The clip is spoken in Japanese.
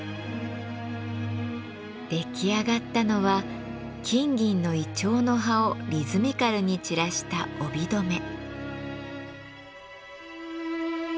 出来上がったのは金銀のイチョウの葉をリズミカルに散らした帯留め。